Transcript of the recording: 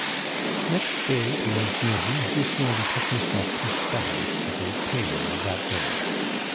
Next day, towards noon, Lucien betook himself to Staub, the great tailor of that day.